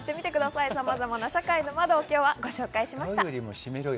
さまざまな社会の窓をご紹介しました。